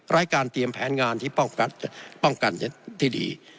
รายการเตรียมแผนงานที่ป้องกันที่ดี